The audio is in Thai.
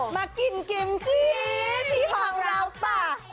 มากินกิมซี่ที่ห้องเราป่ะ